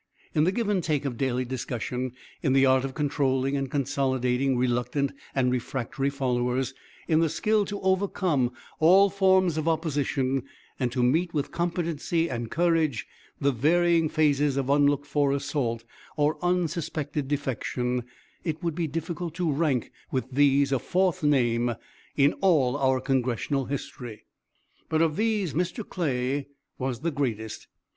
In the give and take of daily discussion, in the art of controlling and consolidating reluctant and refractory followers, in the skill to overcome all forms of opposition, and to meet with competency and courage the varying phases of unlooked for assault or unsuspected defection, it would be difficult to rank with these a fourth name in all our Congressional history. But of these Mr. Clay was the greatest.